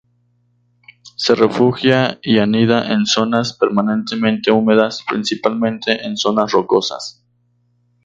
Se refugia y anida en zonas permanentemente húmedas, principalmente en zonas rocosas.